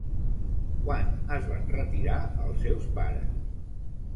Quan es van retirar els seus pares?